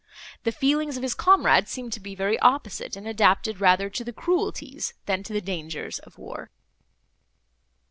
The feelings of his comrade seemed to be very opposite, and adapted rather to the cruelties, than to the dangers of war.